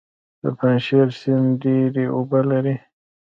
د پنجشیر سیند ډیرې اوبه لري